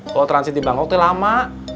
kalo transit di bangkok tuh lama